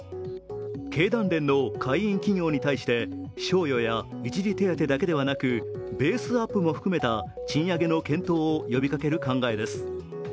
経団連の会員企業に対して賞与や一時手当だけではなくベースアップも含めた賃上げの検討を呼びかける考えです。